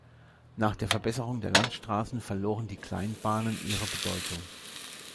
Nach der Verbesserung der Landstraßen verloren die Kleinbahnen ihre Bedeutung.